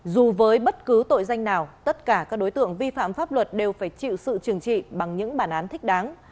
dù với bất cứ tội danh nào tất cả các đối tượng vi phạm pháp luật đều phải chịu sự trừng trị bằng những bản án thích đáng